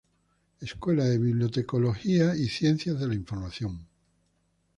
Escuela de Bibliotecología y Ciencias de la Información.